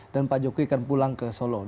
dan pak jokowi akan pulang ke solo